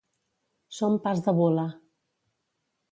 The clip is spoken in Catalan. Som pas de Bula.